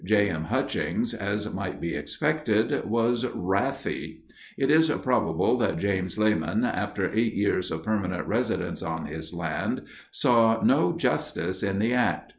J. M. Hutchings, as might be expected, was wrathy. It is probable that James Lamon, after eight years of permanent residence on his land, saw no justice in the act.